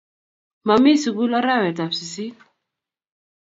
Mamie sugul arawet ab sisit